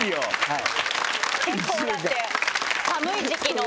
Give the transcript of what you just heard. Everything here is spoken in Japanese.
はい。